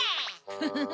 フフフ。